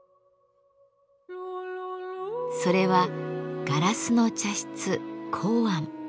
それは「ガラスの茶室−光庵」。